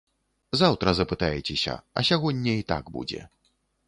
Заўтра запытаецеся, а сягоння і так будзе.